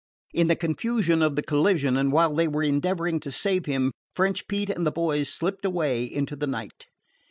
In the confusion of the collision, and while they were endeavoring to save him, French Pete and the boys slipped away into the night.